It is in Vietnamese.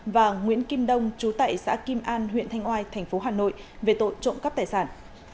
và nguyễn kim đông chú tại xã kim an huyện thanh oai tp hà nội về tội trộm cắp tài sản